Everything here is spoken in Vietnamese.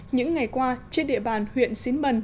những ngày qua trên địa bàn huyện xín mần